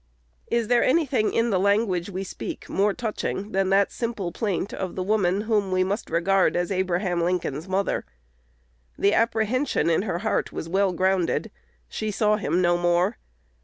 Is there any thing in the language we speak more touching than that simple plaint of the woman whom we must regard as Abraham Lincoln's mother? The apprehension in her "heart" was well grounded. She "saw him no more."